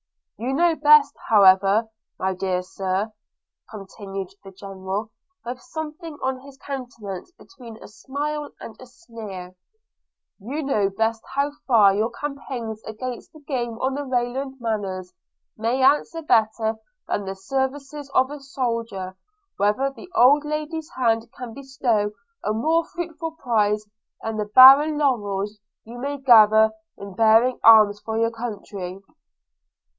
– You know best, however, my dear Sir,' continued the General, with something on his countenance between a smile and a sneer – 'you know best how far your campaigns against the game on the Rayland manors may answer better than the services of a soldier, or whether the old lady's hands can bestow a more fruitful prize than the barren laurels you may gather in bearing arms for your country.'